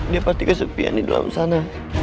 dia pasti kesupian di dalam sana